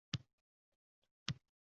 Shunchaki.